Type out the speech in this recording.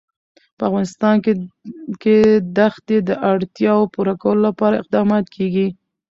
په افغانستان کې د ښتې د اړتیاوو پوره کولو لپاره اقدامات کېږي.